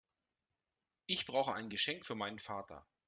Ich brauche ein Geschenk für meinen Vater.